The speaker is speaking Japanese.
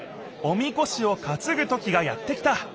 おみこしをかつぐときがやって来た。